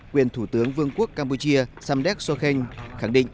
quyền thủ tướng vương quốc campuchia samdek sokhenk khẳng định